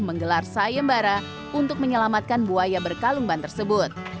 menggelar sayembara untuk menyelamatkan buaya berkalumban tersebut